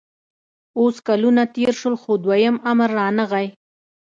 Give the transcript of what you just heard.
اوس کلونه تېر شول خو دویم امر رانغی